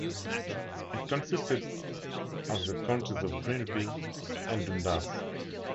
It consisted of the counties of Grenville and Dundas.